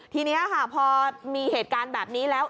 ทีนี้ค่ะพอมีเหตุการณ์แบบนี้แล้ว